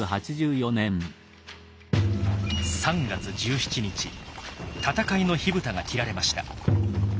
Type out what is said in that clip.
３月１７日戦いの火蓋が切られました。